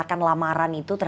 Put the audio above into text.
ga ada hal hal yang dihampiri